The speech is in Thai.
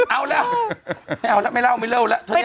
เอาแล้วไม่เอาแล้วไม่เล่าไม่เล่าแล้ว